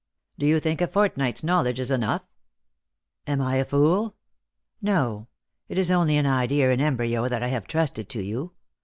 " Do you think a fortnight's knowledge is enough ?"" Am I a fool ? No, it is only an idea in embryo that I have trusted to you.